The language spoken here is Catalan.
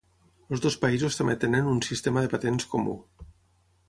Els dos països també tenen un sistema de patents comú.